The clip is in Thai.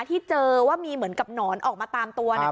ที่เจอว่ามีเหมือนกับหนอนออกมาตามตัว